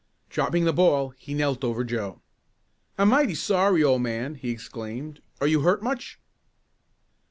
Dropping the ball he knelt over Joe. "I'm mighty sorry, old man!" he exclaimed. "Are you hurt much?"